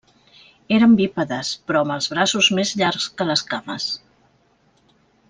Eren bípedes però amb els braços més llargs que les cames.